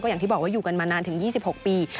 อย่างที่บอกว่าอยู่กันมานานถึง๒๖ปี